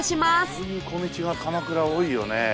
こういう小道が鎌倉多いよね。